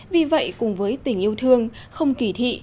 vì vậy cùng với tình yêu thương không kỳ thị